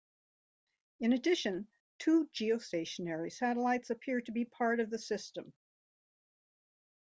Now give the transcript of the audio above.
In addition, two geostationary satellites appear to be part of the system.